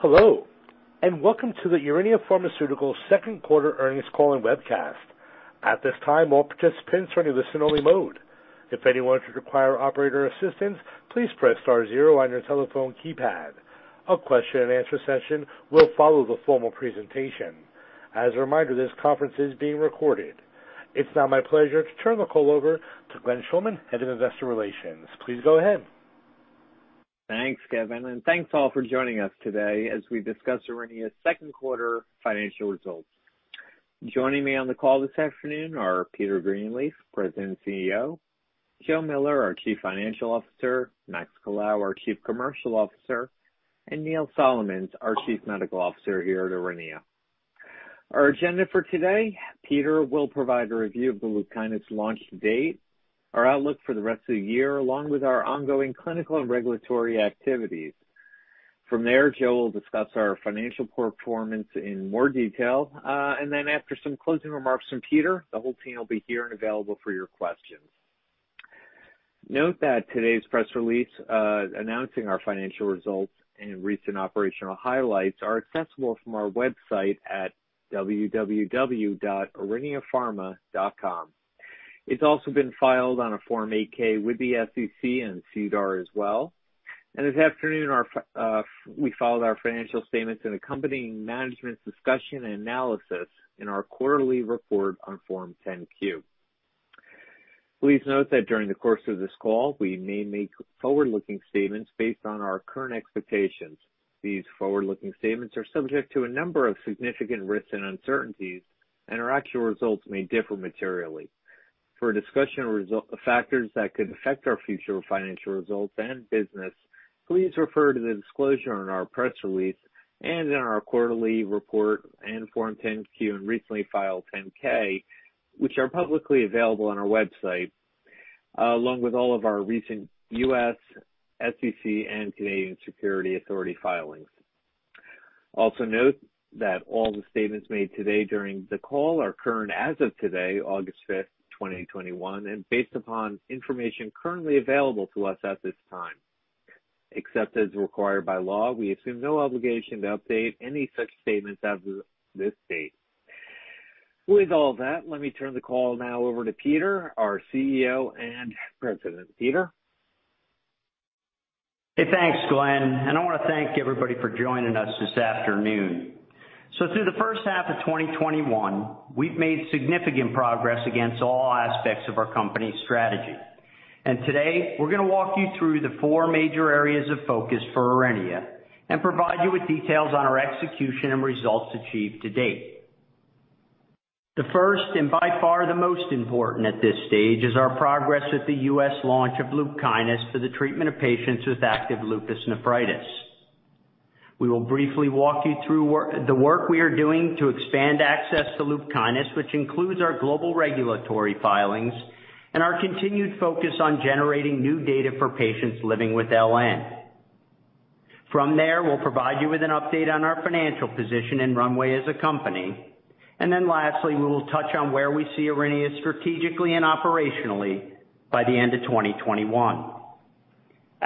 Hello, and welcome to the Aurinia Pharmaceuticals second quarter earnings call and webcast. At this time, all participants are in listen-only mode. If anyone should require operator assistance, please press star zero on your telephone keypad. A question and answer session will follow the formal presentation. As a reminder, this conference is being recorded. It is now my pleasure to turn the call over to Glenn Schulman, Head of Investor Relations. Please go ahead. Thanks, Kevin, and thanks all for joining us today as we discuss Aurinia's second quarter financial results. Joining me on the call this afternoon are Peter Greenleaf, President and CEO, Joe Miller, our Chief Financial Officer, Max Colao, our Chief Commercial Officer, and Neil Solomons, our Chief Medical Officer here at Aurinia. Our agenda for today, Peter will provide a review of the LUPKYNIS launch to date, our outlook for the rest of the year, along with our ongoing clinical and regulatory activities. From there, Joe will discuss our financial performance in more detail. After some closing remarks from Peter, the whole team will be here and available for your questions. Note that today's press release, announcing our financial results and recent operational highlights are accessible from our website at www.auriniapharma.com. It's also been filed on a Form 8-K with the SEC and SEDAR as well. This afternoon, we filed our financial statements and accompanying management's discussion and analysis in our quarterly report on Form 10-Q. Please note that during the course of this call, we may make forward-looking statements based on our current expectations. These forward-looking statements are subject to a number of significant risks and uncertainties, and our actual results may differ materially. For a discussion of factors that could affect our future financial results and business, please refer to the disclosure on our press release and in our quarterly report and Form 10-Q and recently filed 10-K, which are publicly available on our website, along with all of our recent U.S. SEC and Canadian Securities Administrators filings. Also note that all the statements made today during the call are current as of today, August 5th, 2021, and based upon information currently available to us at this time. Except as required by law, we assume no obligation to update any such statements after this date. With all of that, let me turn the call now over to Peter, our CEO and President. Peter? Hey, thanks, Glenn. I want to thank everybody for joining us this afternoon. Through the first half of 2021, we've made significant progress against all aspects of our company strategy. Today, we're going to walk you through the four major areas of focus for Aurinia and provide you with details on our execution and results achieved to date. The first, and by far the most important at this stage, is our progress with the U.S. launch of LUPKYNIS for the treatment of patients with active lupus nephritis. We will briefly walk you through the work we are doing to expand access to LUPKYNIS, which includes our global regulatory filings and our continued focus on generating new data for patients living with LN. From there, we'll provide you with an update on our financial position and runway as a company. Then lastly, we will touch on where we see Aurinia strategically and operationally by the end of 2021.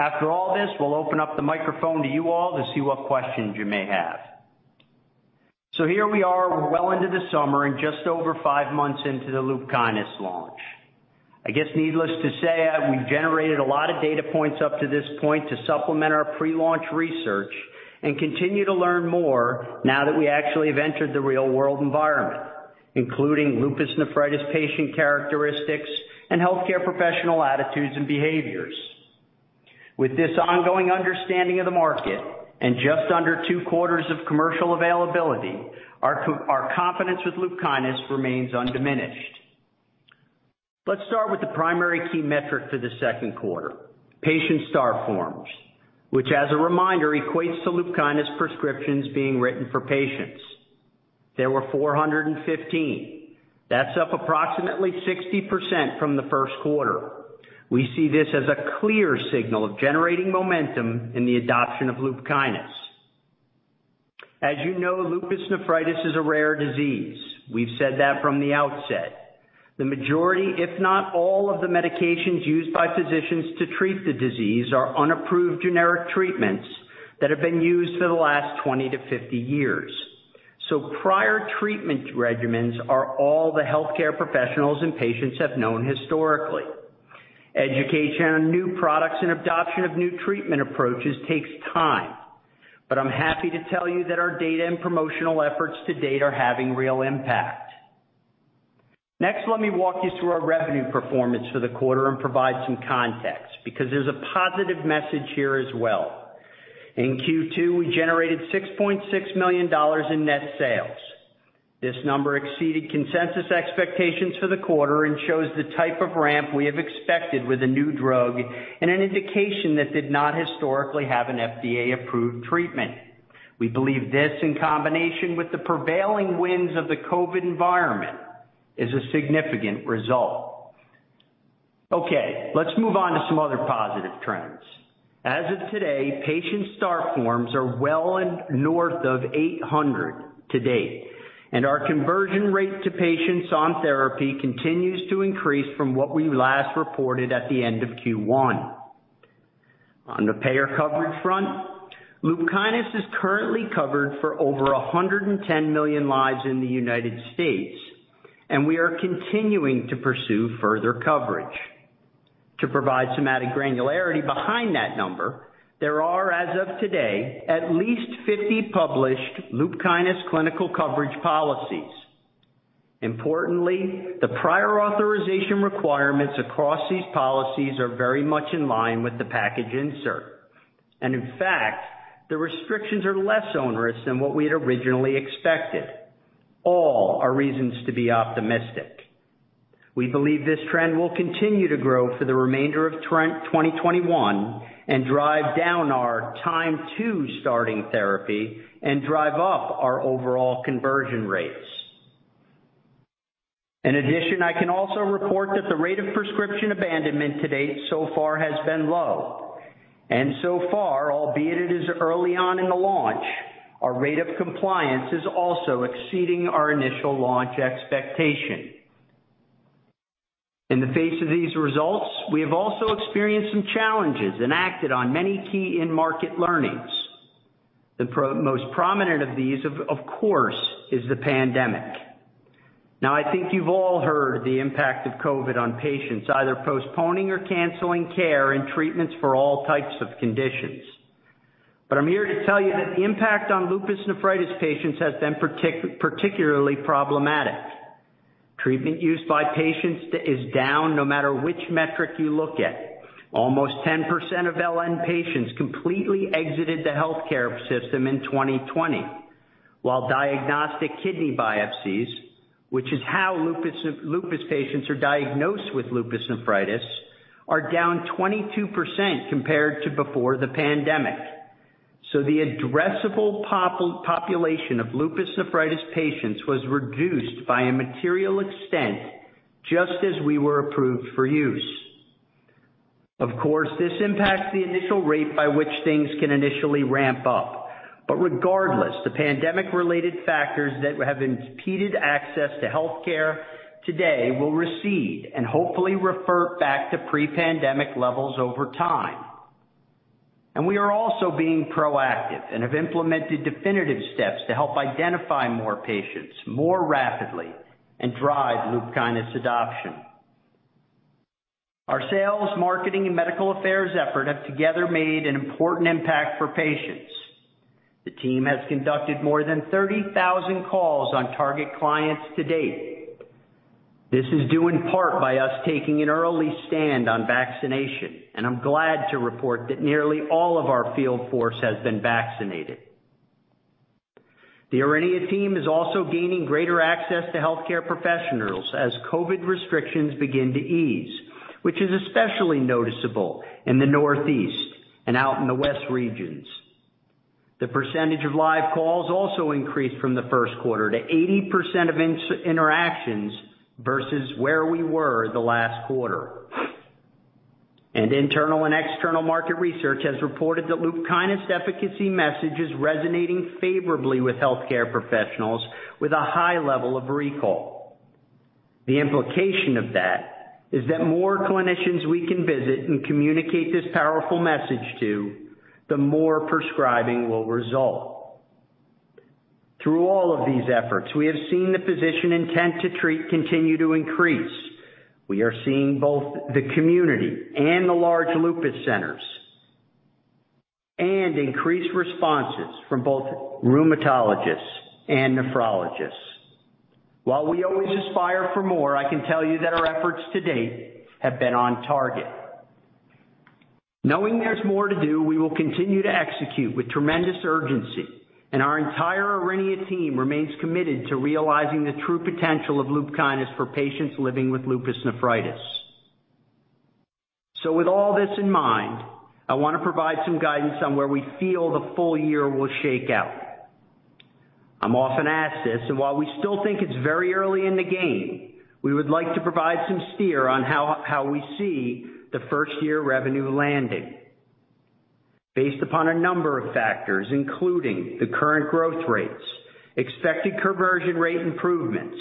After all this, we'll open up the microphone to you all to see what questions you may have. Here we are, well into the summer and just over five months into the LUPKYNIS launch. I guess needless to say, we've generated a lot of data points up to this point to supplement our pre-launch research and continue to learn more now that we actually have entered the real-world environment, including lupus nephritis patient characteristics and healthcare professional attitudes and behaviors. With this ongoing understanding of the market and just under two quarters of commercial availability, our confidence with LUPKYNIS remains undiminished. Let's start with the primary key metric for the second patient start forms, which as a reminder, equates to LUPKYNIS prescriptions being written for patients. There were 415. That's up approximately 60% from the first quarter. We see this as a clear signal of generating momentum in the adoption of LUPKYNIS. As you know, lupus nephritis is a rare disease. We've said that from the outset. The majority, if not all of the medications used by physicians to treat the disease are unapproved generic treatments that have been used for the last 20 to 50 years. Prior treatment regimens are all the healthcare professionals and patients have known historically. Education on new products and adoption of new treatment approaches takes time. I'm happy to tell you that our data and promotional efforts to date are having real impact. Next, let me walk you through our revenue performance for the quarter and provide some context, because there's a positive message here as well. In Q2, we generated $6.6 million in net sales. This number exceeded consensus expectations for the quarter and shows the type of ramp we have expected with a new drug and an indication that did not historically have an FDA-approved treatment. We believe this, in combination with the prevailing winds of the COVID environment, is a significant result. Okay. Let's move on to some other positive trends. As of patient start forms are well north of 800 to date, and our conversion rate to patients on therapy continues to increase from what we last reported at the end of Q1. On the payer coverage front, LUPKYNIS is currently covered for over 110 million lives in the United States, and we are continuing to pursue further coverage. To provide some granularity behind that number, there are, as of today, at least 50 published LUPKYNIS clinical coverage policies. Importantly, the prior authorization requirements across these policies are very much in line with the package insert, and in fact, the restrictions are less onerous than what we had originally expected. All are reasons to be optimistic. We believe this trend will continue to grow for the remainder of 2021 and drive down our time to starting therapy and drive up our overall conversion rates. I can also report that the rate of prescription abandonment to date so far has been low. So far, albeit it is early on in the launch, our rate of compliance is also exceeding our initial launch expectation. In the face of these results, we have also experienced some challenges and acted on many key in-market learnings. The most prominent of these, of course, is the pandemic. Now, I think you've all heard the impact of COVID on patients, either postponing or canceling care and treatments for all types of conditions. I'm here to tell you that the impact on lupus nephritis patients has been particularly problematic. Treatment use by patients is down, no matter which metric you look at. Almost 10% of LN patients completely exited the healthcare system in 2020, while diagnostic kidney biopsies, which is how lupus patients are diagnosed with lupus nephritis, are down 22% compared to before the pandemic. The addressable population of lupus nephritis patients was reduced by a material extent just as we were approved for use. Of course, this impacts the initial rate by which things can initially ramp up. Regardless, the pandemic-related factors that have impeded access to healthcare today will recede and hopefully refer back to pre-pandemic levels over time. We are also being proactive and have implemented definitive steps to help identify more patients more rapidly and drive LUPKYNIS adoption. Our sales, marketing, and medical affairs effort have together made an important impact for patients. The team has conducted more than 30,000 calls on target clients to date. This is due in part by us taking an early stand on vaccination, and I'm glad to report that nearly all of our field force has been vaccinated. The Aurinia team is also gaining greater access to healthcare professionals as COVID restrictions begin to ease, which is especially noticeable in the Northeast and out in the West regions. The percentage of live calls also increased from the first quarter to 80% of interactions versus where we were the last quarter. Internal and external market research has reported that LUPKYNIS efficacy message is resonating favorably with healthcare professionals with a high level of recall. The implication of that is that more clinicians we can visit and communicate this powerful message to, the more prescribing will result. Through all of these efforts, we have seen the physician intent to treat continue to increase. We are seeing both the community and the large lupus centers, and increased responses from both rheumatologists and nephrologists. While we always aspire for more, I can tell you that our efforts to date have been on target. Knowing there's more to do, we will continue to execute with tremendous urgency, and our entire Aurinia team remains committed to realizing the true potential of LUPKYNIS for patients living with lupus nephritis. With all this in mind, I want to provide some guidance on where we feel the full year will shake out. I'm often asked this, and while we still think it's very early in the game, we would like to provide some steer on how we see the first-year revenue landing. Based upon a number of factors, including the current growth rates, expected conversion rate improvements,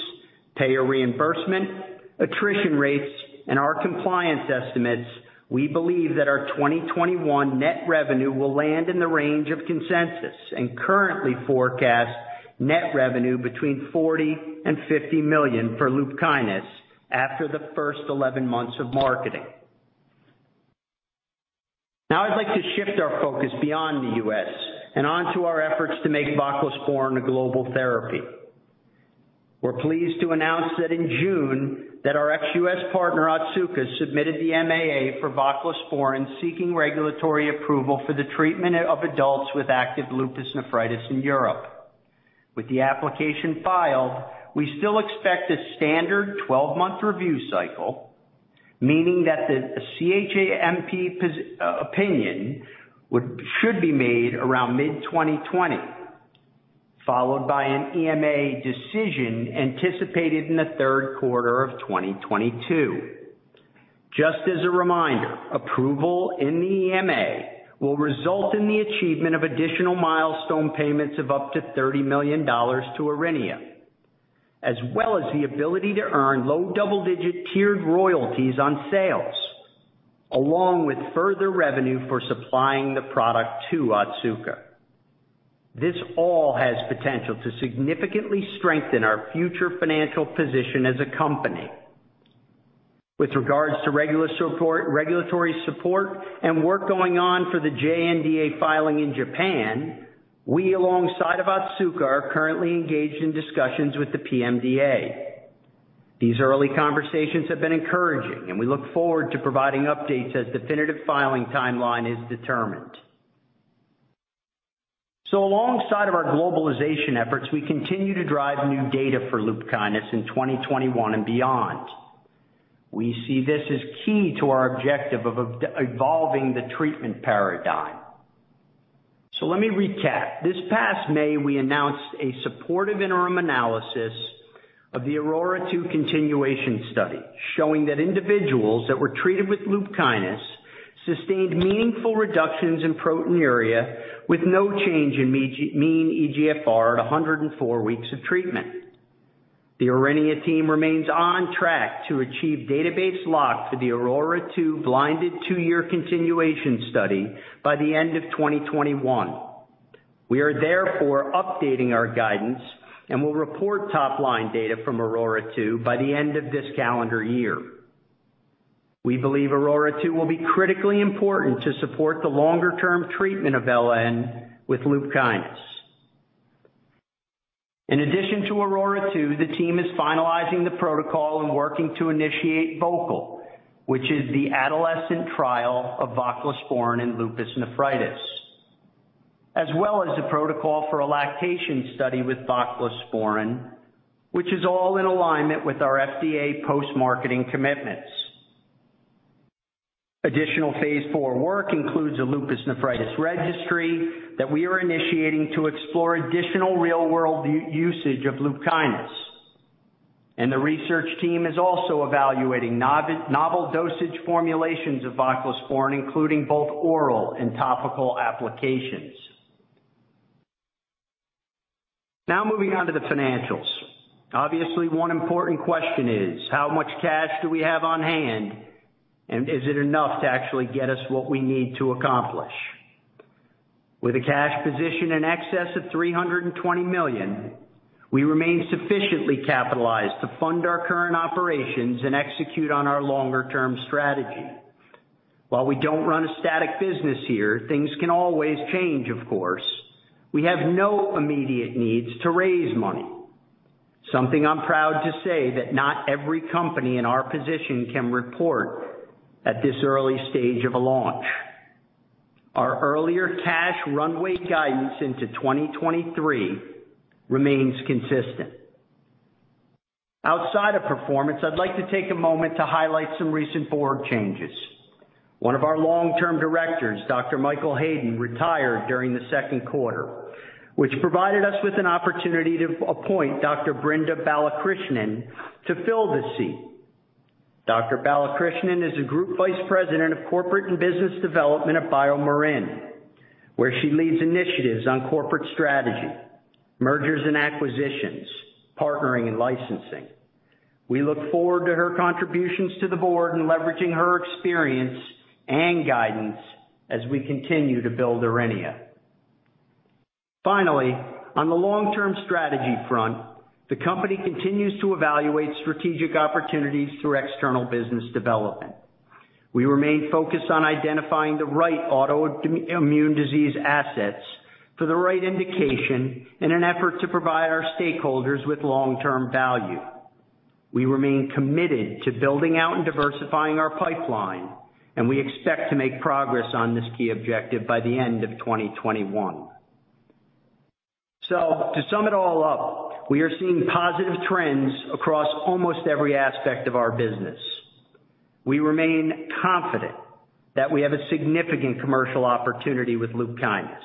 payer reimbursement, attrition rates, and our compliance estimates, we believe that our 2021 net revenue will land in the range of consensus and currently forecast net revenue between $40 million and $50 million for LUPKYNIS after the first 11 months of marketing. I'd like to shift our focus beyond the U.S. and onto our efforts to make voclosporin a global therapy. We're pleased to announce that in June, that our ex-U.S. partner, Otsuka, submitted the MAA for voclosporin, seeking regulatory approval for the treatment of adults with active lupus nephritis in Europe. With the application filed, we still expect a standard 12-month review cycle, meaning that the CHMP opinion should be made around mid-2022, followed by an EMA decision anticipated in the third quarter of 2022. Just as a reminder, approval in the EMA will result in the achievement of additional milestone payments of up to $30 million to Aurinia. As well as the ability to earn low double-digit tiered royalties on sales, along with further revenue for supplying the product to Otsuka. This all has potential to significantly strengthen our future financial position as a company. With regards to regulatory support and work going on for the JNDA filing in Japan, we, alongside of Otsuka, are currently engaged in discussions with the PMDA. These early conversations have been encouraging. We look forward to providing updates as definitive filing timeline is determined. Alongside of our globalization efforts, we continue to drive new data for LUPKYNIS in 2021 and beyond. We see this as key to our objective of evolving the treatment paradigm. Let me recap. This past May, we announced a supportive interim analysis of the AURORA 2 continuation study, showing that individuals that were treated with LUPKYNIS sustained meaningful reductions in proteinuria with no change in mean eGFR at 104 weeks of treatment. The Aurinia team remains on track to achieve database lock for the AURORA 2 blinded two-year continuation study by the end of 2021. We are therefore updating our guidance and will report top line data from AURORA 2 by the end of this calendar year. We believe AURORA 2 will be critically important to support the longer-term treatment of LN with LUPKYNIS. In addition to AURORA 2, the team is finalizing the protocol and working to initiate VOCAL, which is the adolescent trial of voclosporin in lupus nephritis, as well as the protocol for a lactation study with voclosporin, which is all in alignment with our FDA post-marketing commitments. Additional phase IV work includes a lupus nephritis registry that we are initiating to explore additional real-world usage of LUPKYNIS. The research team is also evaluating novel dosage formulations of voclosporin, including both oral and topical applications. Now moving on to the financials. Obviously, one important question is how much cash do we have on hand, and is it enough to actually get us what we need to accomplish? With a cash position in excess of $320 million, we remain sufficiently capitalized to fund our current operations and execute on our longer-term strategy. While we don't run a static business here, things can always change, of course. We have no immediate needs to raise money. Something I'm proud to say that not every company in our position can report at this early stage of a launch. Our earlier cash runway guidance into 2023 remains consistent. Outside of performance, I'd like to take a moment to highlight some recent board changes. One of our long-term directors, Dr. Michael Hayden, retired during the second quarter, which provided us with an opportunity to appoint Dr. Brinda Balakrishnan to fill the seat. Dr. Balakrishnan is a Group Vice President of Corporate and Business Development at BioMarin, where she leads initiatives on corporate strategy, mergers and acquisitions, partnering and licensing. We look forward to her contributions to the board and leveraging her experience and guidance as we continue to build Aurinia. Finally, on the long-term strategy front, the company continues to evaluate strategic opportunities through external business development. We remain focused on identifying the right autoimmune disease assets for the right indication in an effort to provide our stakeholders with long-term value. We remain committed to building out and diversifying our pipeline, and we expect to make progress on this key objective by the end of 2021. To sum it all up, we are seeing positive trends across almost every aspect of our business. We remain confident that we have a significant commercial opportunity with LUPKYNIS.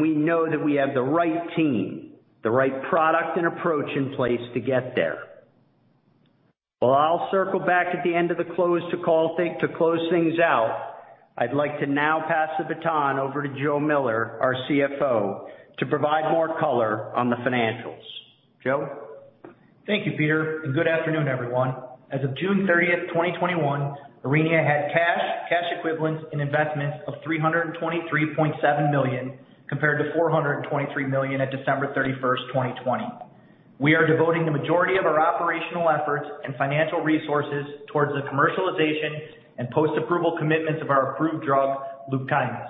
We know that we have the right team, the right product and approach in place to get there. While I'll circle back at the end of the close to close things out, I'd like to now pass the baton over to Joe Miller, our CFO, to provide more color on the financials. Joe? Thank you, Peter, and good afternoon, everyone. As of June 30th, 2021, Aurinia had cash equivalents, and investments of $323.7 million compared to $423 million on December 31st, 2020. We are devoting the majority of our operational efforts and financial resources towards the commercialization and post-approval commitments of our approved drug, LUPKYNIS.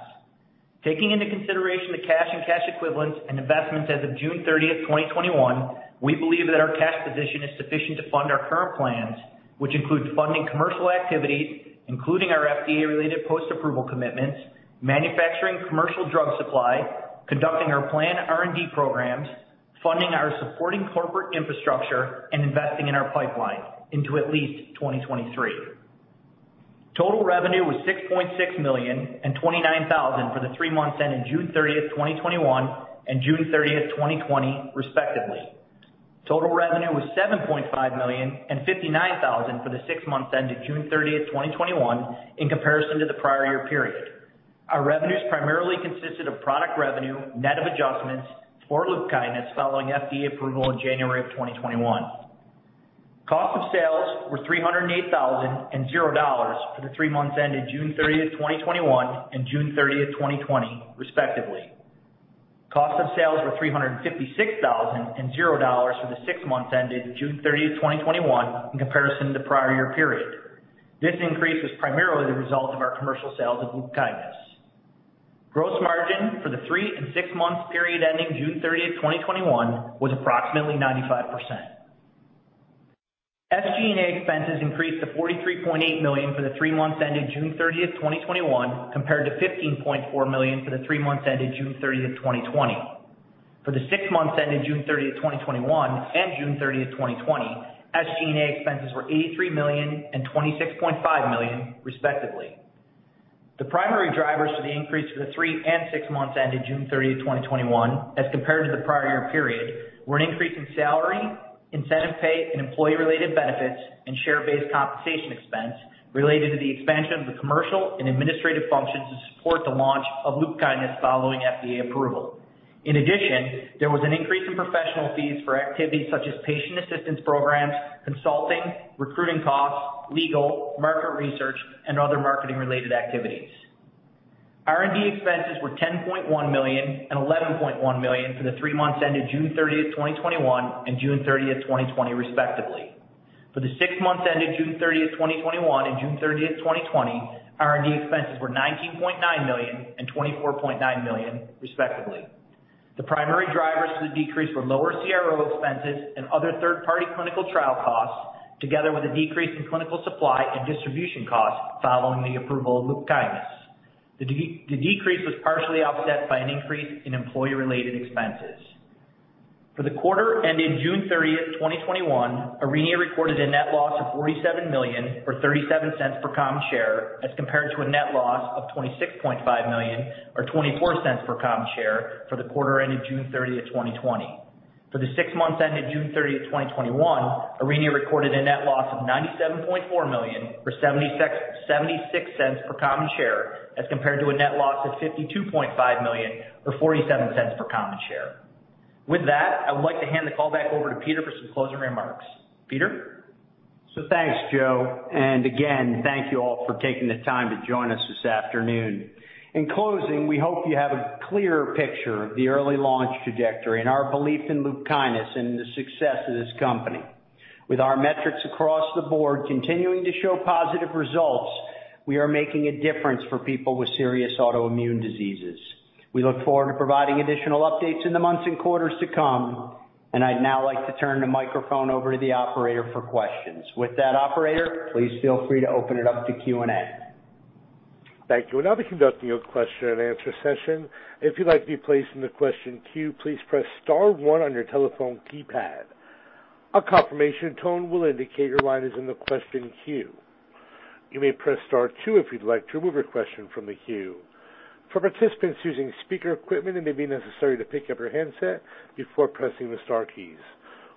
Taking into consideration the cash and cash equivalents and investments as of June 30th, 2021, we believe that our cash position is sufficient to fund our current plans, which include funding commercial activities, including our FDA-related post-approval commitments, manufacturing commercial drug supply, conducting our planned R&D programs, funding our supporting corporate infrastructure, and investing in our pipeline into at least 2023. Total revenue was $6.6 million and $29,000 for the three months ending June 30th, 2021 and June 30th, 2020, respectively. Total revenue was $7.5 million and $59,000 for the six months ending June 30th, 2021, in comparison to the prior year period. Our revenues primarily consisted of product revenue, net of adjustments for LUPKYNIS following FDA approval in January of 2021. Cost of sales were $308,000 and $0 for the three months ended June 30th, 2021 and June 30th, 2020, respectively. Cost of sales were $356,000 and $0 for the six months ended June 30th, 2021, in comparison to the prior year period. This increase was primarily the result of our commercial sales of LUPKYNIS. Gross margin for the three and six-month period ending June 30th, 2021 was approximately 95%. SG&A expenses increased to $43.8 million for the three months ended June 30th, 2021, compared to $15.4 million for the three months ended June 30th, 2020. For the six months ended June 30th, 2021 and June 30th, 2020, SG&A expenses were $83 million and $26.5 million, respectively. The primary drivers for the increase for the three and six months ended June 30th, 2021, as compared to the prior year period, were an increase in salary, incentive pay, and employee-related benefits and share-based compensation expense related to the expansion of the commercial and administrative functions to support the launch of LUPKYNIS following FDA approval. In addition, there was an increase in professional fees for activities such as patient assistance programs, consulting, recruiting costs, legal, market research, and other marketing-related activities. R&D expenses were $10.1 million and $11.1 million for the three months ended June 30th, 2021 and June 30th, 2020, respectively. For the six months ended June 30th, 2021 and June 30th, 2020, R&D expenses were $19.9 million and $24.9 million, respectively. The primary drivers for the decrease were lower CRO expenses and other third-party clinical trial costs, together with a decrease in clinical supply and distribution costs following the approval of LUPKYNIS. The decrease was partially offset by an increase in employee-related expenses. For the quarter ending June 30th, 2021, Aurinia recorded a net loss of $47 million, or $0.37 per common share, as compared to a net loss of $26.5 million or $0.24 per common share for the quarter ending June 30th, 2020. For the six months ended June 30th, 2021, Aurinia recorded a net loss of $97.4 million or $0.76 per common share as compared to a net loss of $52.5 million or $0.47 per common share. With that, I would like to hand the call back over to Peter for some closing remarks. Peter? Thanks, Joe, and again, thank you all for taking the time to join us this afternoon. In closing, we hope you have a clearer picture of the early launch trajectory and our belief in LUPKYNIS and the success of this company. With our metrics across the board continuing to show positive results, we are making a difference for people with serious autoimmune diseases. We look forward to providing additional updates in the months and quarters to come, and I'd now like to turn the microphone over to the operator for questions. With that, operator, please feel free to open it up to Q&A. Thank you. I will now be conducting your question and answer session. If you like to be placed in the question queue, please press star one on your telephone keypad. A confirmation tone will indicate your line is in the question queue. You may press star two if you'd like to remove your question from the queue. For participants using speaker equipment, it may be necessary to pick up your handset before pressing the star keys.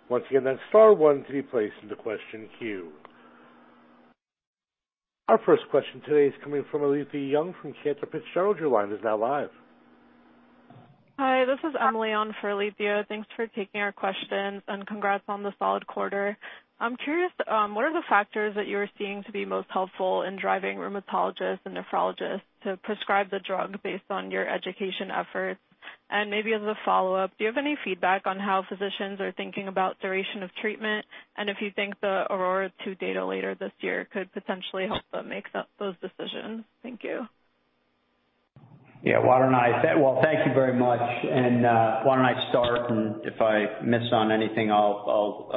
Once again, that's star one to be placed in the question queue. Our first question today is coming from Alethia Young from Cantor Fitzgerald. Your line is now live. Hi, this is Emily on for Alethia. Thanks for taking our questions and congrats on the solid quarter. I'm curious, what are the factors that you are seeing to be most helpful in driving rheumatologists and nephrologists to prescribe the drug based on your education efforts? Maybe as a follow-up, do you have any feedback on how physicians are thinking about duration of treatment, and if you think the AURORA 2 data later this year could potentially help them make those decisions? Thank you. Yeah. Well, thank you very much. Why don't I start? If I miss on anything, I'll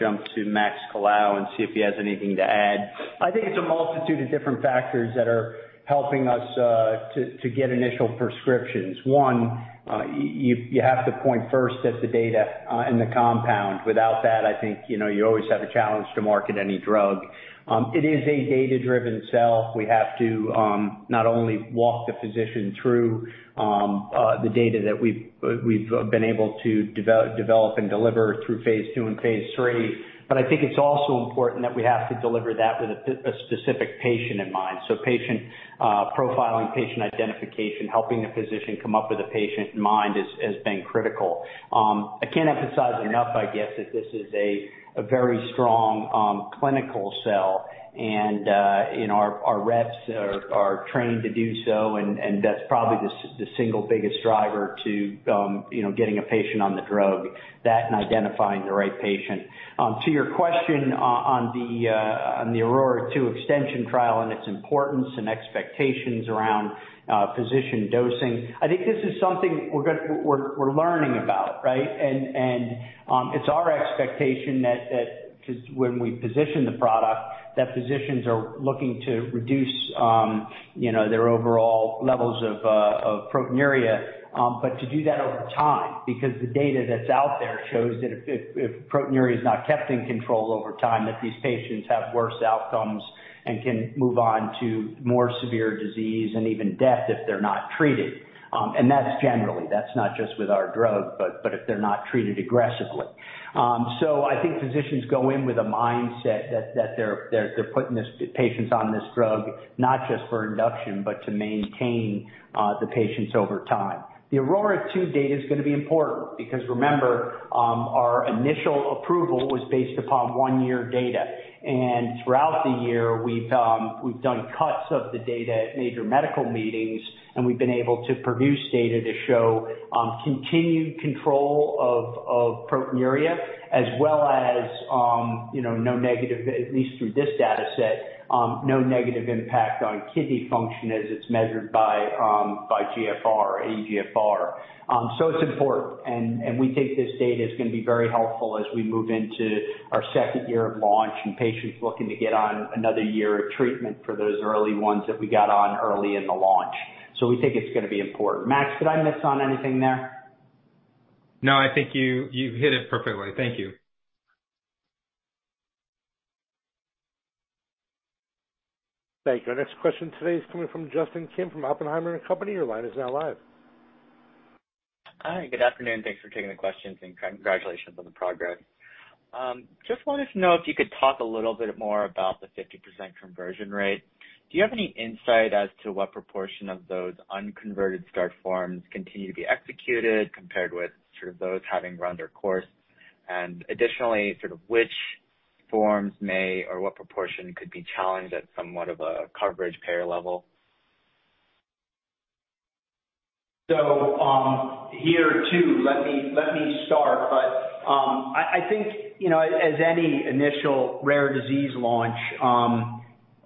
jump to Max Colao and see if he has anything to add. I think it's a multitude of different factors that are helping us to get initial prescriptions. One. You have to point first at the data and the compound. Without that, I think you always have a challenge to market any drug. It is a data-driven sell. We have to not only walk the physician through the data that we've been able to develop and deliver through phase II and phase III, but I think it's also important that we have to deliver that with a specific patient in mind. Patient profiling, patient identification, helping the physician come up with a patient in mind has been critical. I can't emphasize enough, I guess, that this is a very strong clinical sell. Our reps are trained to do so. That's probably the single biggest driver to getting a patient on the drug. That and identifying the right patient. To your question on the AURORA 2 extension trial and its importance and expectations around physician dosing, I think this is something we're learning about, right. It's our expectation that when we position the product, that physicians are looking to reduce their overall levels of proteinuria. To do that over time, because the data that's out there shows that if proteinuria is not kept in control over time, that these patients have worse outcomes and can move on to more severe disease and even death if they're not treated. That's generally not just with our drug, but if they're not treated aggressively. I think physicians go in with a mindset that they're putting patients on this drug not just for induction, but to maintain the patients over time. The AURORA 2 data is going to be important because remember, our initial approval was based upon one-year data, and throughout the year, we've done cuts of the data at major medical meetings, and we've been able to produce data to show continued control of proteinuria as well as no negative, at least through this data set, no negative impact on kidney function as it's measured by GFR or eGFR. It's important, and we think this data is going to be very helpful as we move into our second year of launch and patients looking to get on another year of treatment for those early ones that we got on early in the launch. We think it's going to be important. Max, did I miss on anything there? No, I think you hit it perfectly. Thank you. Thank you. Our next question today is coming from Justin Kim from Oppenheimer & Company. Your line is now live. Hi. Good afternoon. Thanks for taking the questions. Congratulations on the progress. Just wanted to know if you could talk a little bit more about the 50% conversion rate. Do you have any insight as to what proportion of those unconverted start forms continue to be executed compared with sort of those having run their course? Additionally, sort of which forms may, or what proportion could be challenged at somewhat of a coverage payer level? Here too, let me start. I think, as any initial rare disease launch,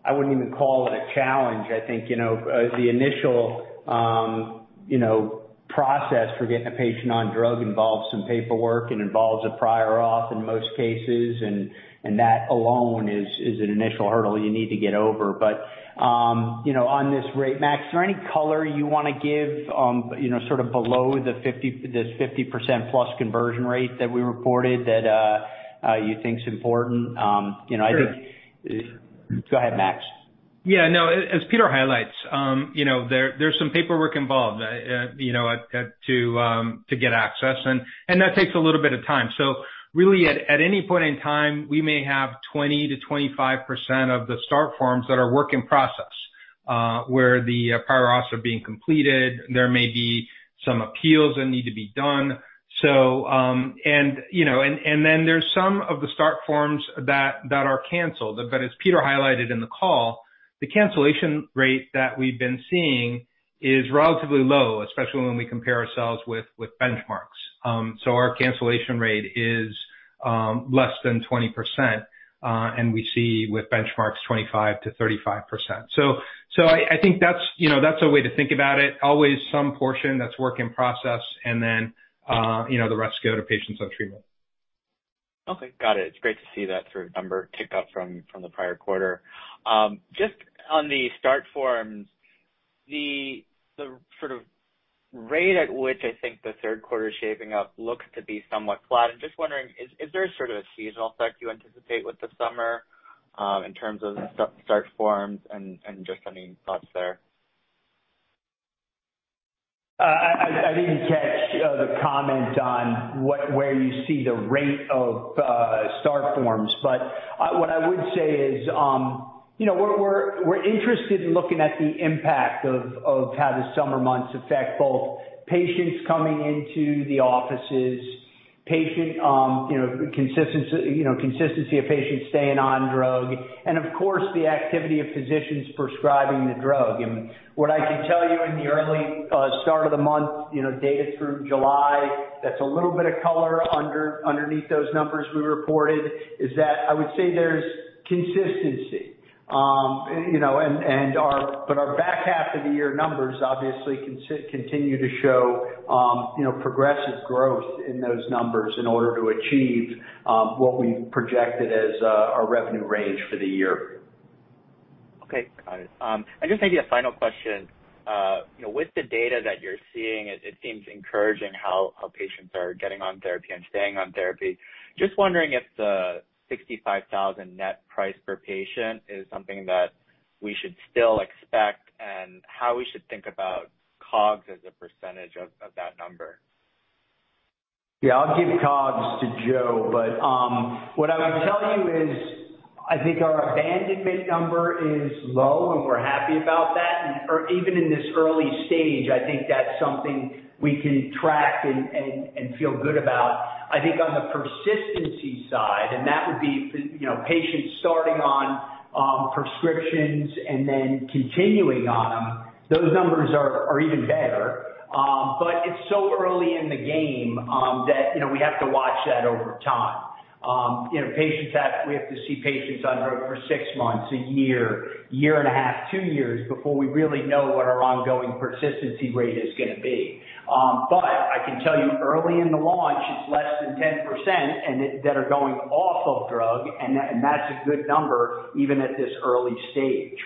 I wouldn't even call it a challenge. I think the initial process for getting a patient on drug involves some paperwork and involves a prior auth in most cases, and that alone is an initial hurdle you need to get over. On this rate, Max, is there any color you want to give below this 50%+ conversion rate that we reported that you think is important? Sure. Go ahead, Max. Yeah, no, as Peter highlights, there's some paperwork involved to get access, and that takes a little bit of time. Really, at any point in time, we may have 20%-25% of the start forms that are work in process, where the prior auths are being completed, there may be some appeals that need to be done. Then there's some of the start forms that are canceled. As Peter highlighted in the call, the cancellation rate that we've been seeing is relatively low, especially when we compare ourselves with benchmarks. Our cancellation rate is less than 20%, and we see with benchmarks 25%-35%. I think that's a way to think about it. Always some portion that's work in process and then the rest go to patients on treatment. Okay. Got it. It's great to see that sort of number tick up from the prior quarter. Just on the start forms, the sort of rate at which I think the third quarter is shaping up looks to be somewhat flat. I'm just wondering, is there a sort of seasonal effect you anticipate with the summer in terms of start forms and just any thoughts there? I didn't catch the comment on where you see the rate of start forms, what I would say is, we're interested in looking at the impact of how the summer months affect both patients coming into the offices, consistency of patients staying on drug, and of course, the activity of physicians prescribing the drug. What I can tell you in the early start of the month data through July, that's a little bit of color underneath those numbers we reported, is that I would say there's consistency. Our back half of the year numbers obviously continue to show progressive growth in those numbers in order to achieve what we've projected as our revenue range for the year. Okay. Got it. Just maybe a final question. With the data that you're seeing, it seems encouraging how patients are getting on therapy and staying on therapy. Just wondering if the $65,000 net price per patient is something that we should still expect, and how we should think about COGS as a percentage of that number. Yeah, I'll give COGS to Joe. What I would tell you is, I think our abandonment number is low, and we're happy about that. Even in this early stage, I think that's something we can track and feel good about. I think on the persistency side, that would be patients starting on prescriptions and then continuing on them, those numbers are even better. It's so early in the game that we have to watch that over time. We have to see patients on drug for six months, a year and a half, two years before we really know what our ongoing persistency rate is going to be. I can tell you early in the launch, it's less than 10% that are going off of drug, and that's a good number, even at this early stage.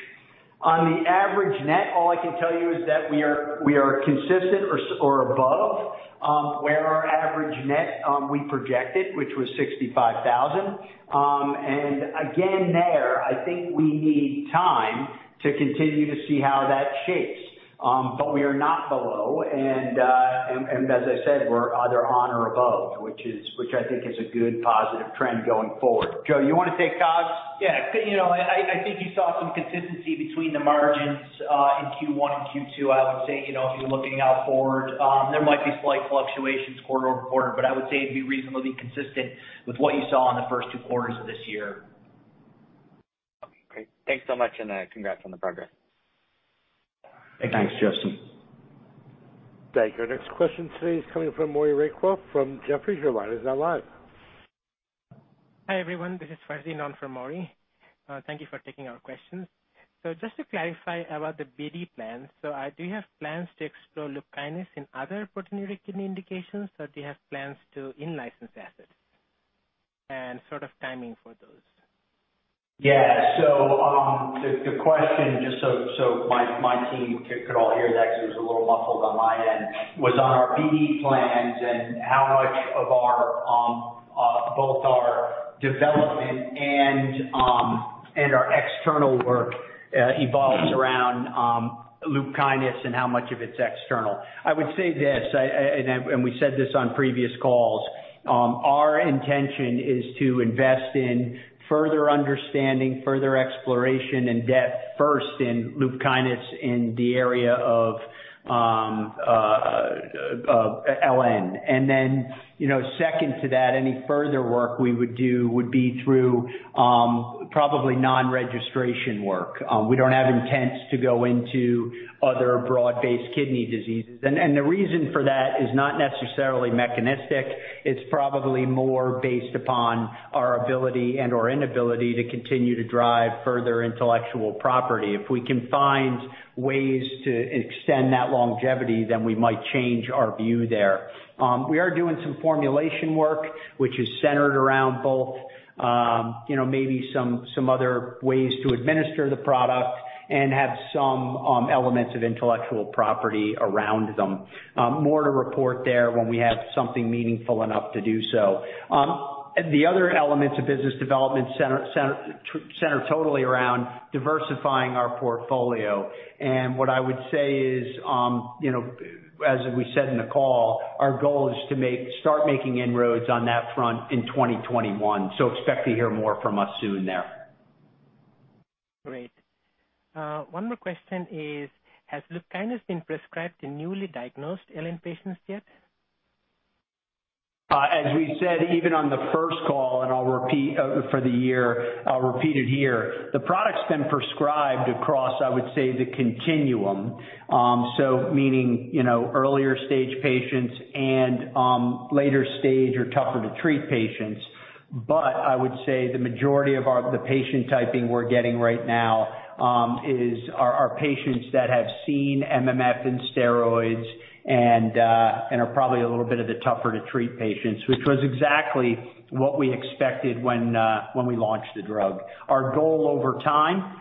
On the average net, all I can tell you is that we are consistent or above where our average net we projected, which was $65,000. Again, there, I think we need time to continue to see how that shapes. We are not below and as I said, we're either on or above, which I think is a good positive trend going forward. Joe, you want to take COGS? Yeah. I think you saw some consistency between the margins in Q1 and Q2. I would say, if you're looking out forward, there might be slight fluctuations quarter-over-quarter, but I would say it'd be reasonably consistent with what you saw in the first two quarters of this year. Okay. Thanks so much, and congrats on the progress. Thank you. Thanks, Justin. Thank you. Our next question today is coming from Maury Raycroft from Jefferies. Your line is now live. Hi, everyone. This is Farzi, in on for Maury. Thank you for taking our questions. Just to clarify about the BD plan. Do you have plans to explore LUPKYNIS in other proteinuric kidney indications, or do you have plans to in-license assets? Sort of timing for those? Yeah. The question, just so my team could all hear that because it was a little muffled on my end, was on our BD plans and how much of both our development and our external work evolves around LUPKYNIS and how much of it's external. I would say this, and we said this on previous calls, our intention is to invest in further understanding, further exploration and depth first in LUPKYNIS in the area of LN. Second to that, any further work we would do would be through probably non-registration work. We don't have intents to go into other broad-based kidney diseases. The reason for that is not necessarily mechanistic. It's probably more based upon our ability and/or inability to continue to drive further intellectual property. If we can find ways to extend that longevity, then we might change our view there. We are doing some formulation work, which is centered around both maybe some other ways to administer the product and have some elements of intellectual property around them. More to report there when we have something meaningful enough to do so. The other elements of business development center totally around diversifying our portfolio. What I would say is as we said in the call, our goal is to start making inroads on that front in 2021. Expect to hear more from us soon there. Great. One more question is, has LUPKYNIS been prescribed to newly diagnosed LN patients yet? As we said, even on the first call, and I'll repeat for the year, I'll repeat it here. The product's been prescribed across, I would say, the continuum. Meaning, earlier stage patients and later stage or tougher to treat patients. I would say the majority of the patient type we're getting right now are patients that have seen MMF and steroids and are probably a little bit of the tougher to treat patients, which was exactly what we expected when we launched the drug. Our goal over time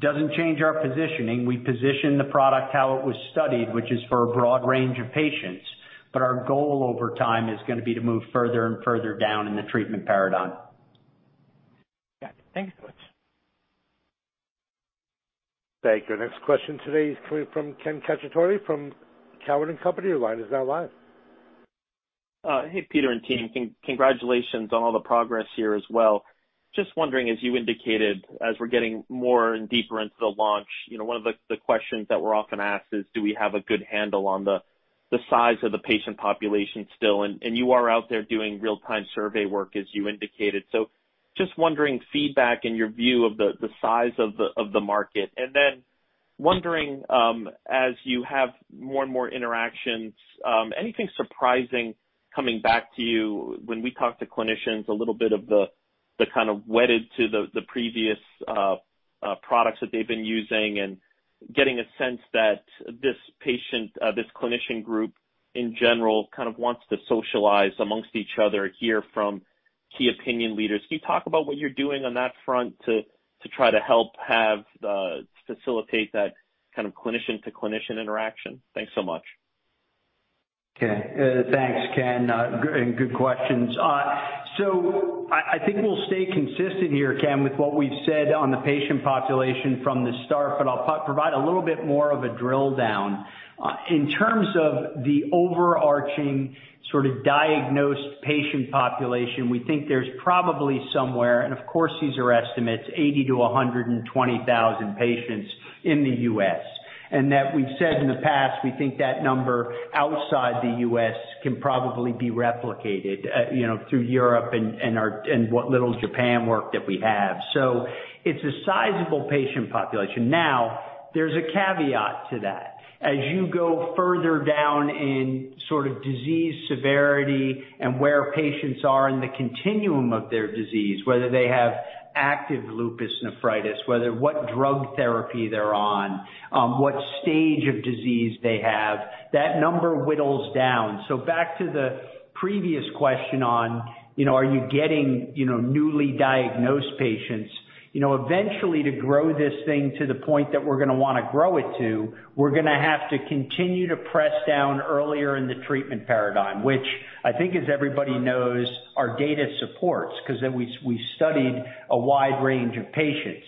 doesn't change our positioning. We position the product how it was studied, which is for a broad range of patients, but our goal over time is going to be to move further and further down in the treatment paradigm. Yeah. Thank you so much. Thank you. Next question today is coming from Ken Cacciatore from Cowen and Company. Your line is now live. Hey, Peter and team. Congratulations on all the progress here as well. Wondering, as you indicated, as we're getting more and deeper into the launch, one of the questions that we're often asked is, do we have a good handle on the size of the patient population still? You are out there doing real-time survey work, as you indicated. Wondering, feedback and your view of the size of the market. Wondering, as you have more and more interactions, anything surprising coming back to you when we talk to clinicians a little bit of the kind of wedded to the previous products that they've been using and getting a sense that this clinician group in general kind of wants to socialize amongst each other, hear from key opinion leaders. Can you talk about what you're doing on that front to try to help facilitate that kind of clinician-to-clinician interaction? Thanks so much. Okay. Thanks, Ken. Good questions. I think we'll stay consistent here, Ken, with what we've said on the patient population from the start, but I'll provide a little bit more of a drill down. In terms of the overarching sort of diagnosed patient population, we think there's probably somewhere, and of course, these are estimates, 80,000 to 120,000 patients in the U.S. That we've said in the past, we think that number outside the U.S. can probably be replicated through Europe and what little Japan work that we have. It's a sizable patient population. Now, there's a caveat to that. As you go further down in sort of disease severity and where patients are in the continuum of their disease, whether they have active lupus nephritis, whether what drug therapy they're on, what stage of disease they have, that number whittles down. Back to the previous question on, are you getting newly diagnosed patients? Eventually to grow this thing to the point that we're going to want to grow it to, we're going to have to continue to press down earlier in the treatment paradigm, which I think as everybody knows, our data supports because then we studied a wide range of patients.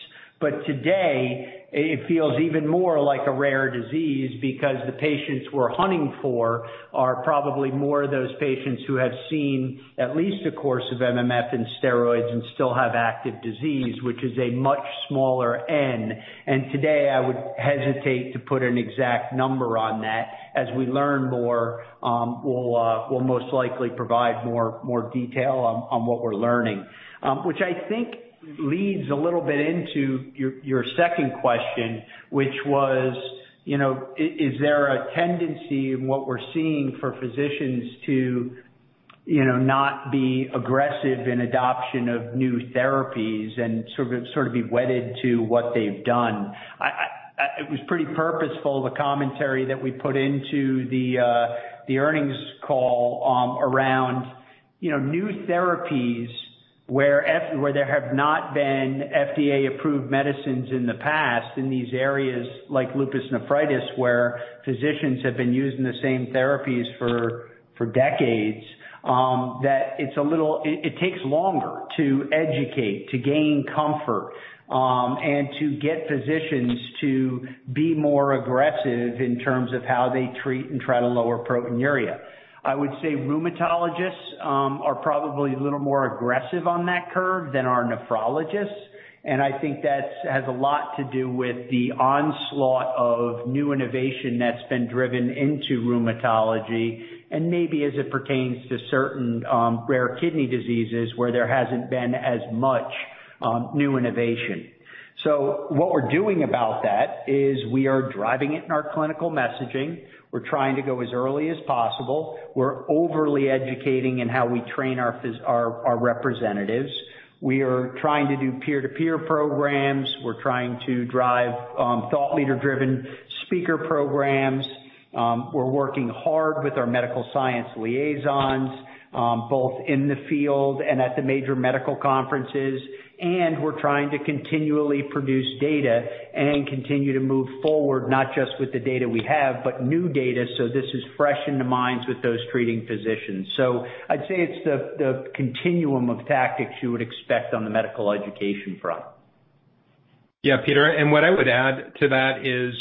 Today, it feels even more like a rare disease because the patients we're hunting for are probably more of those patients who have seen at least a course of MMF and steroids and still have active disease, which is a much smaller N. Today, I would hesitate to put an exact number on that. As we learn more, we'll most likely provide more detail on what we're learning. Which I think leads a little bit into your second question, which was, is there a tendency in what we're seeing for physicians to not be aggressive in adoption of new therapies and sort of be wedded to what they've done? It was pretty purposeful, the commentary that we put into the earnings call around new therapies, where there have not been FDA-approved medicines in the past, in these areas like lupus nephritis, where physicians have been using the same therapies for decades, that it takes longer to educate, to gain comfort, and to get physicians to be more aggressive in terms of how they treat and try to lower proteinuria. I would say rheumatologists are probably a little more aggressive on that curve than are nephrologists, and I think that has a lot to do with the onslaught of new innovation that's been driven into rheumatology and maybe as it pertains to certain rare kidney diseases where there hasn't been as much new innovation. What we're doing about that is we are driving it in our clinical messaging. We're trying to go as early as possible. We're overly educating in how we train our representatives. We are trying to do peer-to-peer programs. We're trying to drive thought leader-driven speaker programs. We're working hard with our medical science liaisons, both in the field and at the major medical conferences. We're trying to continually produce data and continue to move forward, not just with the data we have, but new data, so this is fresh in the minds with those treating physicians. I'd say it's the continuum of tactics you would expect on the medical education front. Yeah, Peter, what I would add to that is,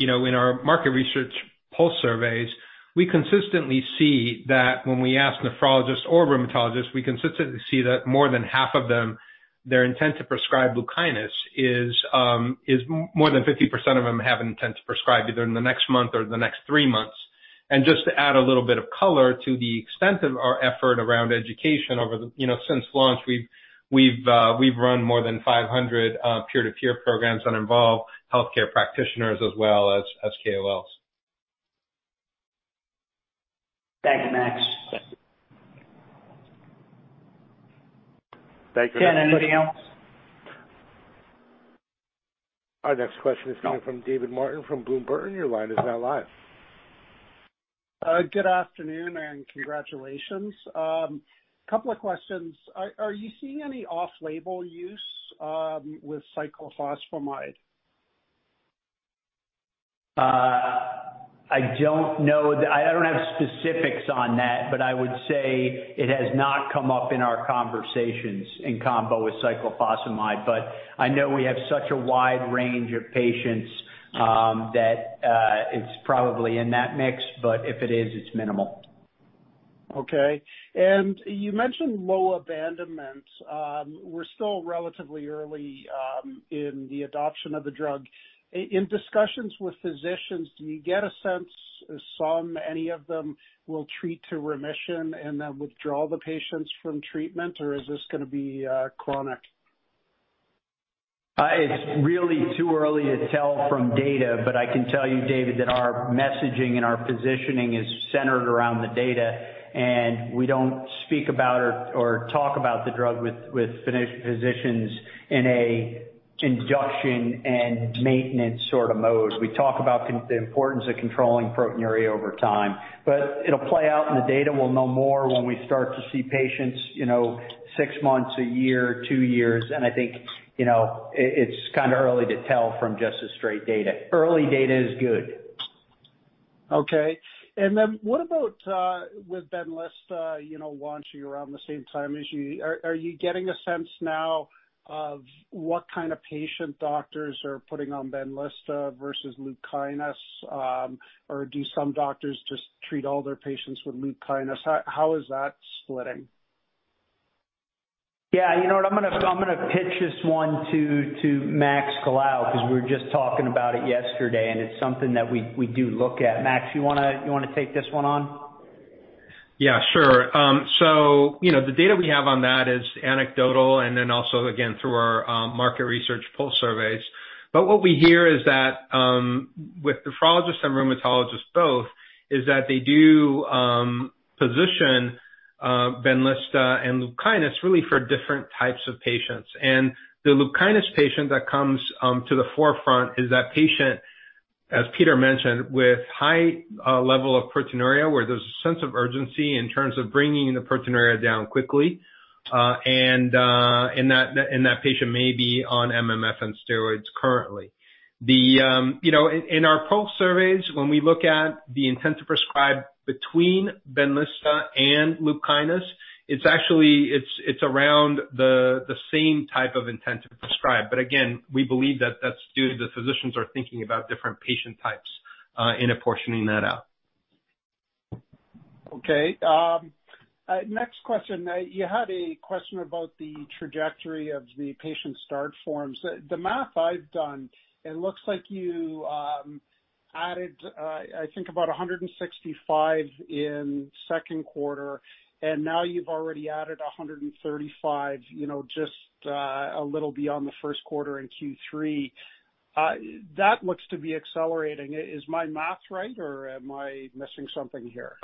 in our market research pulse surveys, we consistently see that when we ask nephrologists or rheumatologists, we consistently see that more than half of them, their intent to prescribe LUPKYNIS is more than 50% of them have an intent to prescribe either in the next month or the next three months. Just to add a little bit of color to the extent of our effort around education over, since launch, we've run more than 500 peer-to-peer programs that involve healthcare practitioners as well as KOLs. Thank you, Max. Thank you. Ken, anybody else? Our next question is coming from David Martin from Bloom Burton. Your line is now live. Congratulations. Couple of questions. Are you seeing any off-label use with cyclophosphamide? I don't know. I don't have specifics on that, but I would say it has not come up in our conversations in combo with cyclophosphamide. I know we have such a wide range of patients that it's probably in that mix, but if it is, it's minimal. Okay. You mentioned low abandonment. We're still relatively early in the adoption of the drug. In discussions with physicians, do you get a sense if some, any of them will treat to remission and then withdraw the patients from treatment, or is this going to be chronic? It's really too early to tell from data, but I can tell you, David, that our messaging and our positioning is centered around the data, and we don't speak about or talk about the drug with physicians in a induction and maintenance sort of mode. We talk about the importance of controlling proteinuria over time. It'll play out in the data. We'll know more when we start to see patients, six months, a year, two years. I think, it's kind of early to tell from just the straight data. Early data is good. Okay. Then what about with BENLYSTA launching around the same time as you? Are you getting a sense now of what kind of patient doctors are putting on BENLYSTA versus LUPKYNIS? Do some doctors just treat all their patients with LUPKYNIS? How is that splitting? Yeah, you know what? I'm going to pitch this one to Max Colao, because we were just talking about it yesterday, and it's something that we do look at. Max, you want to take this one on? Yeah, sure. The data we have on that is anecdotal and then also, again, through our market research pulse surveys. What we hear is that with nephrologists and rheumatologists both, is that they do position BENLYSTA and LUPKYNIS really for different types of patients. The LUPKYNIS patient that comes to the forefront is that patient, as Peter mentioned, with high level of proteinuria, where there's a sense of urgency in terms of bringing the proteinuria down quickly. That patient may be on MMF and steroids currently. In our pulse surveys, when we look at the intent to prescribe between BENLYSTA and LUPKYNIS, it's around the same type of intent to prescribe. Again, we believe that that's due to the physicians are thinking about different patient types in apportioning that out. Okay. Next question. You had a question about the trajectory of patient start forms. the math I've done, it looks like you added, I think about 165 in second quarter, and now you've already added 135, just a little beyond the first quarter in Q3. That looks to be accelerating. Is my math right, or am I missing something here?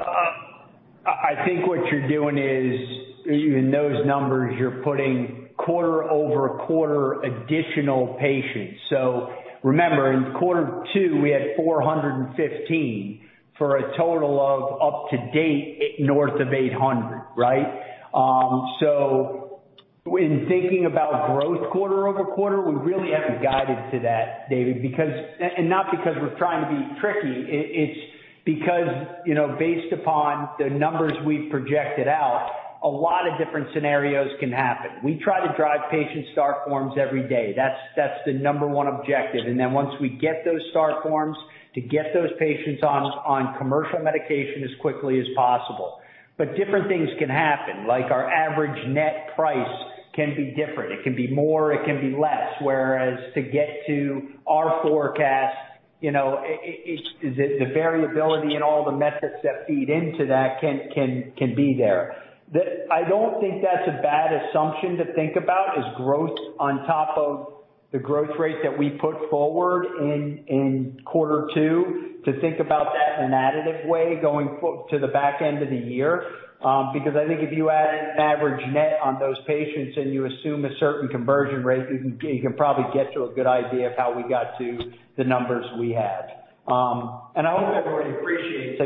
I think what you're doing is in those numbers, you're putting quarter-over-quarter additional patients. Remember, in quarter two, we had 415 for a total of up to date north of 800. Right? In thinking about growth quarter-over-quarter, we really haven't guided to that, David. Not because we're trying to be tricky. It's because based upon the numbers we've projected out, a lot of different scenarios can happen. We try to patient start forms every day. That's the number one objective. Once we get those start forms, to get those patients on commercial medication as quickly as possible. Different things can happen, like our average net price can be different. It can be more, it can be less, whereas to get to our forecast, the variability in all the methods that feed into that can be there. I don't think that's a bad assumption to think about is growth on top of the growth rate that we put forward in quarter two, to think about that in an additive way going to the back end of the year. I think if you added average net on those patients and you assume a certain conversion rate, you can probably get to a good idea of how we got to the numbers we had. I hope everybody appreciates,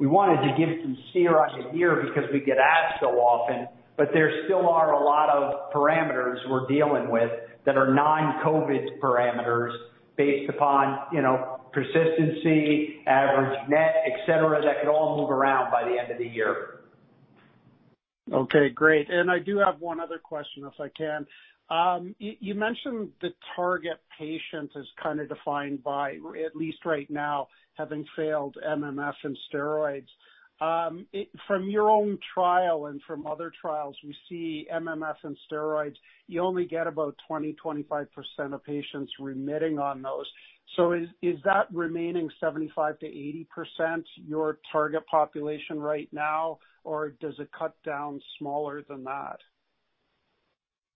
we wanted to give some steer on the year because we get asked so often, but there still are a lot of parameters we're dealing with that are non-COVID parameters based upon persistency, average net, et cetera, that could all move around by the end of the year. Okay, great. I do have one other question, if I can. You mentioned the target patient is kind of defined by, at least right now, having failed MMF and steroids. From your own trial and from other trials, we see MMF and steroids, you only get about 20%, 25% of patients remitting on those. Is that remaining 75%-80% your target population right now, or does it cut down smaller than that?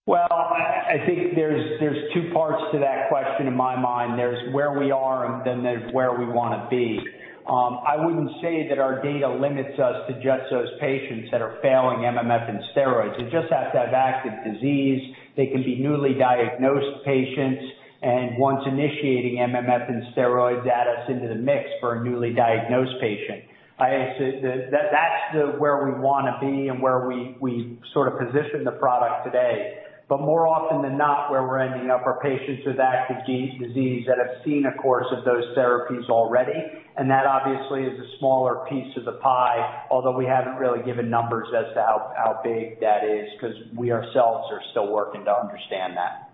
Well, I think there's two parts to that question in my mind. There's where we are, and then there's where we want to be. I wouldn't say that our data limits us to just those patients that are failing MMF and steroids. They just have to have active disease. They can be newly diagnosed patients, and once initiating MMF and steroids adds us into the mix for a newly diagnosed patient. That's where we want to be and where we sort of position the product today. More often than not, where we're ending up are patients with active disease that have seen a course of those therapies already, and that obviously is a smaller piece of the pie, although we haven't really given numbers as to how big that is, because we ourselves are still working to understand that.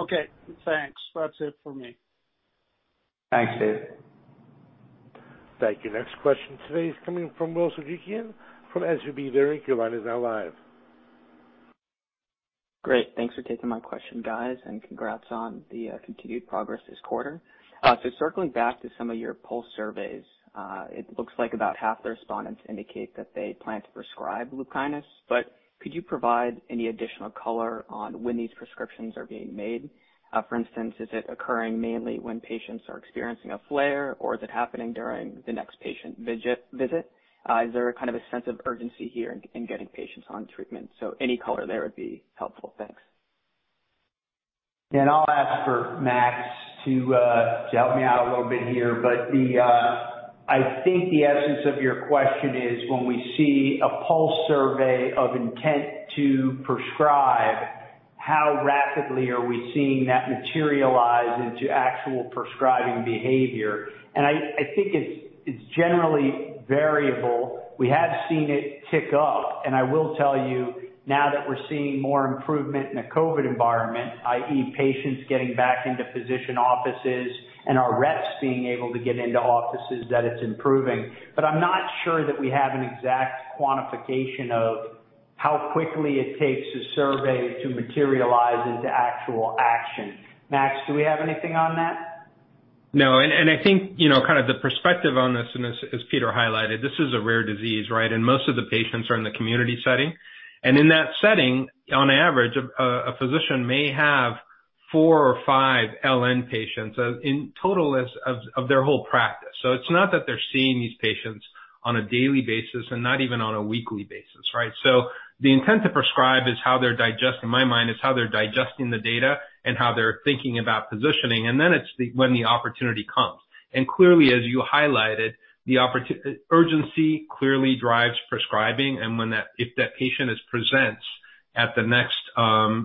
Okay, thanks. That's it for me. Thanks, David. Thank you. Next question today is coming from Will Soghikian from SVB Leerink. Your line is now live. Great. Thanks for taking my question, guys, and congrats on the continued progress this quarter. Circling back to some of your pulse surveys, it looks like about half the respondents indicate that they plan to prescribe LUPKYNIS, but could you provide any additional color on when these prescriptions are being made? For instance, is it occurring mainly when patients are experiencing a flare, or is it happening during the next patient visit? Is there a kind of a sense of urgency here in getting patients on treatment? Any color there would be helpful. Thanks. I'll ask for Max to help me out a little bit here. I think the essence of your question is when we see a pulse survey of intent to prescribe, how rapidly are we seeing that materialize into actual prescribing behavior? I think it's generally variable. We have seen it tick up, and I will tell you now that we're seeing more improvement in a COVID environment, i.e. patients getting back into physician offices and our reps being able to get into offices, that it's improving. I'm not sure that we have an exact quantification of how quickly it takes a survey to materialize into actual action. Max, do we have anything on that? No. I think the perspective on this, as Peter highlighted, this is a rare disease, right? Most of the patients are in the community setting. In that setting, on average, a physician may have four or five LN patients in total of their whole practice. It's not that they're seeing these patients on a daily basis and not even on a weekly basis, right? The intent to prescribe is how they're digesting, in my mind, is how they're digesting the data and how they're thinking about positioning. Then it's when the opportunity comes. Clearly, as you highlighted, the urgency clearly drives prescribing, and if that patient presents at the next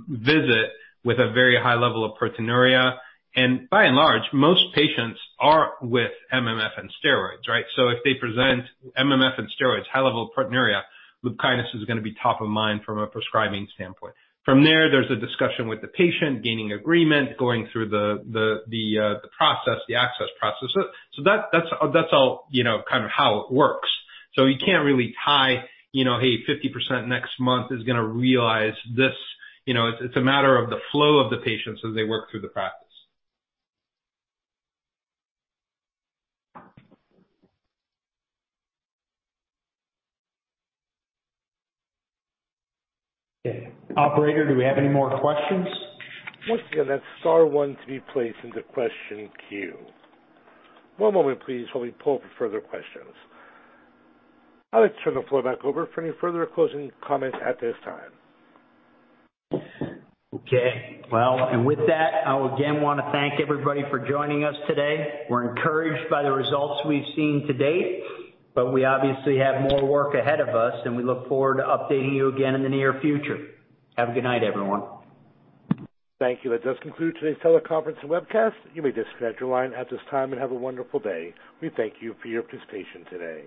visit with a very high level of proteinuria, and by and large, most patients are with MMF and steroids, right? If they present MMF and steroids, high level of proteinuria, LUPKYNIS is going to be top of mind from a prescribing standpoint. From there's a discussion with the patient, gaining agreement, going through the process, the access process. That's all how it works. You can't really tie, hey, 50% next month is going to realize this. It's a matter of the flow of the patients as they work through the practice. Okay. Operator, do we have any more questions? Once again, that's star one to be placed in the question queue. One moment please while we pull up further questions. I'd like to turn the floor back over for any further closing comments at this time. Okay. Well, with that, I again would want to thank everybody for joining us today. We're encouraged by the results we've seen to date, we obviously have more work ahead of us, and we look forward to updating you again in the near future. Have a good night, everyone. Thank you. That does conclude today's teleconference and webcast. You may disconnect your line at this time, and have a wonderful day. We thank you for your participation today.